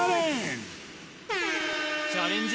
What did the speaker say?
チャレンジ